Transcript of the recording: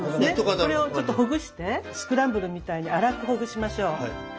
これをちょっとほぐしてスクランブルみたいに粗くほぐしましょう。